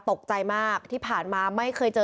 ตกใจมากที่ผ่านมาไม่เคยเจอ